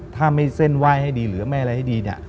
ถ้าไม่เส้นไหว้ให้ดีหรือไม่อะไรให้ดีเนี่ย